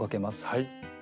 はい。